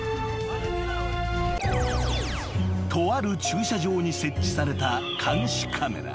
［とある駐車場に設置された監視カメラ］